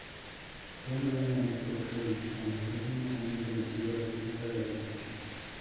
Fue un gran maestro Jedi en los últimos años de la Antigua República Galáctica.